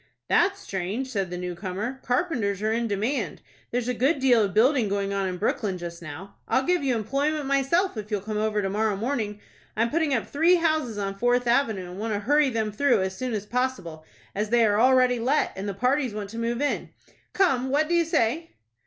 "That's strange," said the new comer. "Carpenters are in demand. There's a good deal of building going on in Brooklyn just now. I'll give you employment myself, if you'll come over to morrow morning. I'm putting up three houses on Fourth Avenue, and want to hurry them through as soon as possible, as they are already let, and the parties want to move in. Come, what do you say?"